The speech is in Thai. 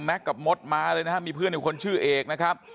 แม็กซ์กับม็อตมาเลยนะฮะมีเพื่อนคนชื่อเอกนะครับ